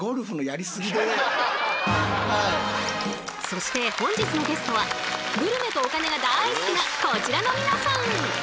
そして本日のゲストはグルメとお金が大好きなこちらの皆さん。